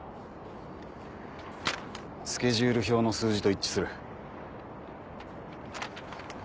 スケジュール表の数字と一致する。